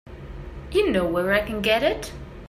You know where I can get it?